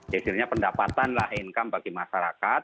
ya istilahnya pendapatan lah income bagi masyarakat